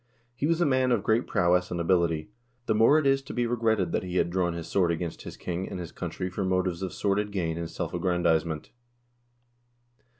He was a man of great prowess and ability. The more it is to be regretted that he had drawn his sword against his king and his country for motives of sordid gain and self aggrandizement.